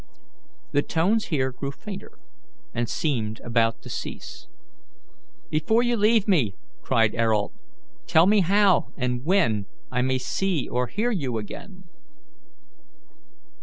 The tones here grew fainter and seemed about to cease. "Before you leave me," cried Ayrault, "tell me how and when I may see or hear you again."